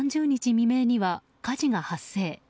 未明には火事が発生。